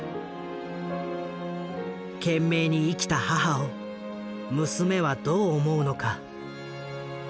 懸命に生きた母を娘はどう思うのか。